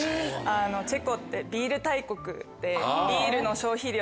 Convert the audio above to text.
チェコってビール大国でビールの消費量